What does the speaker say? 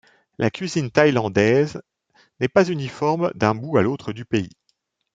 La cuisine thaïlandaise n'est pas uniforme d'un bout à l'autre du pays.